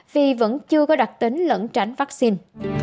vì vẫn chưa có đặc tính lẫn tránh vaccine